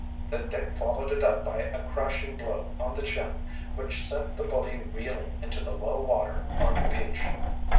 Then Dick followed it up by a crashing blow on the chin, which sent the bully reeling into the low water on the beach.